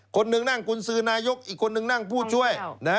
คนหนึ่งนั่งกุญสือนายกอีกคนนึงนั่งผู้ช่วย